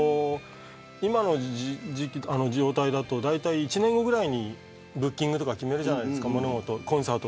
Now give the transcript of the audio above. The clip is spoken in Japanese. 今の状態だと１年後ぐらいにブッキングとかだいたい決めるじゃないですか。